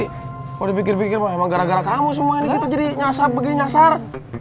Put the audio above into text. kalau dipikir pikir emang gara gara kamu semua ini kita jadi nyasar begitu nyasar